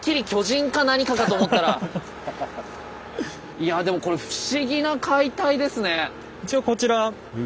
いやでもこれ不思議な解体ですね。